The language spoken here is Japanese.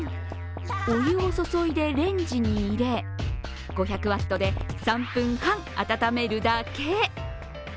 お湯を注いでレンジに入れ５００ワットで３分半温めるだけ。